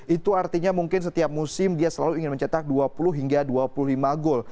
itu artinya mungkin setiap musim dia selalu ingin mencetak dua puluh hingga dua puluh lima gol